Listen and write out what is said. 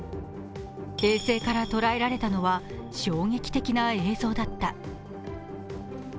衛星から捉えられたのは衝撃的な映像だった。